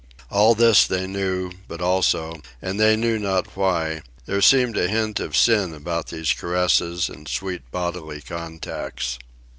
All this they knew, but also, and they knew not why, there seemed a hint of sin about these caresses and sweet bodily contacts.